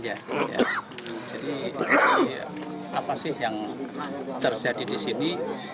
jadi apa sih yang terjadi di sini